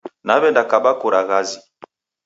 Nawe'nda kaba kura ghazi